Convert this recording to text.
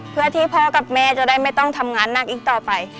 เพื่อที่พ่อกับแม่จะได้ไม่ต้องทำงานหนักอีกต่อไป